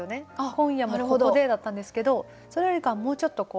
「今夜もここで」だったんですけどそれよりかはもうちょっと。